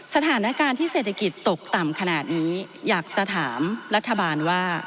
สถานการณ์ที่เศรษฐกิจตกต่ำขนาดนี้อยากจะถามรัฐบาลว่า